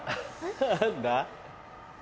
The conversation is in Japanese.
何だ？